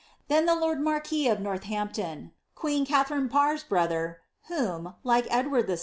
Then the lord marquis of Northampton, (queen Katharine Parr's brother whom, like Edward VI.